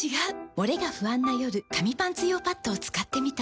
モレが不安な夜紙パンツ用パッドを使ってみた。